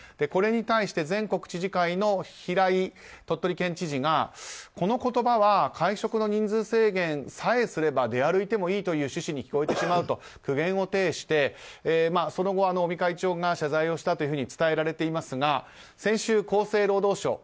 これに対して全国知事会の平井鳥取県知事がこの言葉は会食の人数制限さえすれば出歩いてもいいという趣旨に聞こえてしまうと苦言を呈して、その後尾身会長が謝罪をしたと伝えられていますが先週、厚生労働省